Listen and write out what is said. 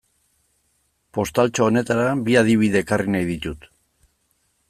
Postaltxo honetara bi adibide ekarri nahi ditut.